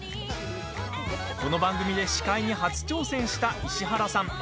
この番組で司会に初挑戦した石原さん。